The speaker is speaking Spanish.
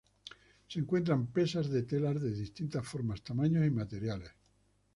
Se encuentran pesas de telar de distintas formas, tamaños y materiales.